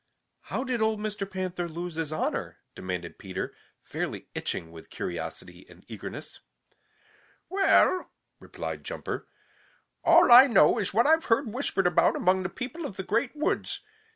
"How did old Mr. Panther lose his honor?" demanded Peter, fairly itching with curiosity and eagerness. "Well," replied Jumper, "all I know is what I've heard whispered about among the people of the Great Woods.